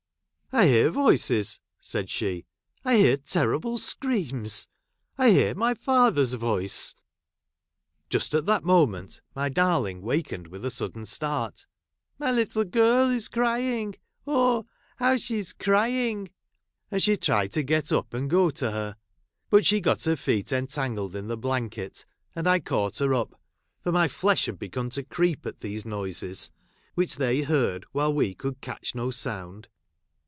" I hear voices !" said she. " I hear terrible screams — 1 hear my father's voice !" Just at that moment, my dai'ling wakened with a sudden start :" My little girl is crying, oh, how she is crying !" and she tried to get up and go to her, but she got her feet entangled in the blanket, and I caught her up ; for my flesh had begun to creep at these noises, wdiich they heard while we could catch no sound.